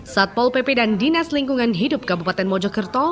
satpol pp dan dinas lingkungan hidup kabupaten mojokerto